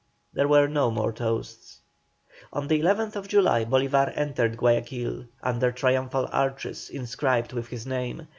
There were no more toasts. On the 11th July Bolívar entered Guayaquil, under triumphal arches inscribed with his name.